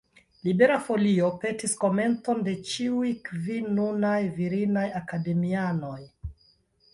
Libera Folio petis komenton de ĉiuj kvin nunaj virinaj akademianoj.